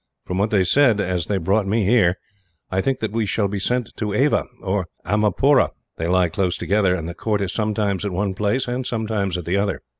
"From what they said as they brought me here, I think that we shall be sent to Ava, or Amarapura. They lie close together, and the court is sometimes at one place and sometimes at the other.